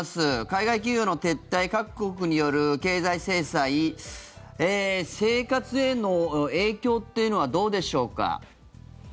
海外企業の撤退各国による経済制裁生活への影響というのはどうでしょうか。